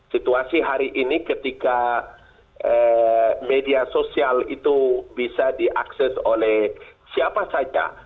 situasi hari ini ketika media sosial itu bisa diakses oleh siapa saja